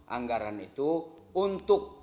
anggaran itu untuk